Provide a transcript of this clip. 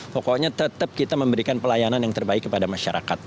pokoknya tetap kita memberikan pelayanan yang terbaik kepada masyarakat